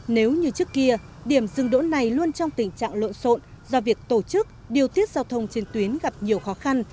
nếu như trước kia điểm dừng đỗ này luôn trong tình trạng lộn xộn do việc tổ chức điều tiết giao thông trên tuyến gặp nhiều khó khăn